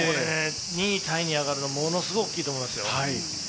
２位タイに上がるのはものすごく大きいと思いますよ。